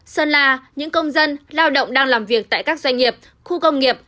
sơn la những công dân lao động đang làm việc tại các doanh nghiệp khu công nghiệp